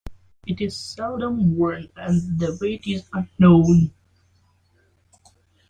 It is seldom worn and the weight is unknown.